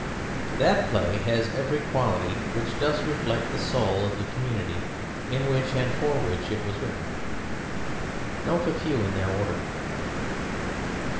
That play has every quality which does reflect the soul of the community in which and for which it was written. Note a few in their order.